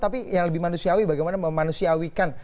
tapi yang lebih manusiawi bagaimana memanusiawikan